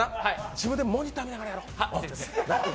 自分でモニター見ながらやろう。